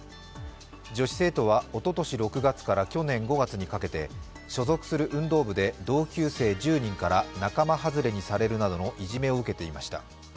女子生徒は、おととし６月から去年５月にかけて所属する運動部で同級生１０人から仲間外れにされるなどのいじめを受けていました。